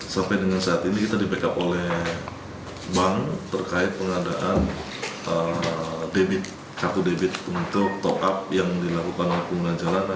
sampai dengan saat ini kita di backup oleh bapak